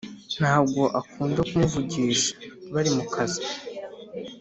Ntago akunda kumuvugisha bari mu kazi